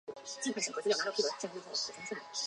有晚唐诗意味。